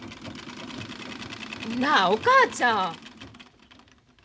なあお母ちゃん！